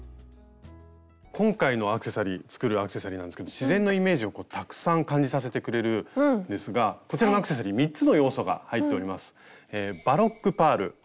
今回の作るアクセサリーなんですけど自然のイメージをたくさん感じさせてくれるんですがこちらのアクセサリー３つの要素が入っております。